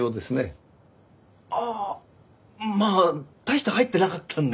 ああまあ大して入ってなかったんで。